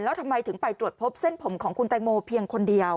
แล้วทำไมถึงไปตรวจพบเส้นผมของคุณแตงโมเพียงคนเดียว